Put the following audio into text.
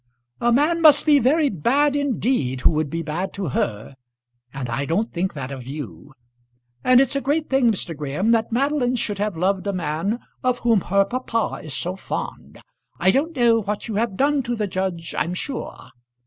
"A man must be very bad indeed who would be bad to her, and I don't think that of you. And it's a great thing, Mr. Graham, that Madeline should have loved a man of whom her papa is so fond. I don't know what you have done to the judge, I'm sure."